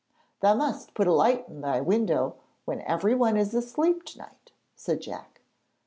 'Thou must put a light in thy window when everyone is asleep to night,' said Jack.